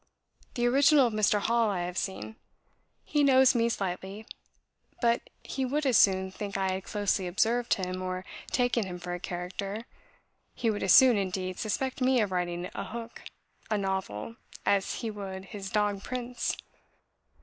The original of Mr. Hall I have seen; he knows me slightly; but he would as soon think I had closely observed him or taken him for a character he would as soon, indeed, suspect me of writing a hook a novel as he would his dog, Prince.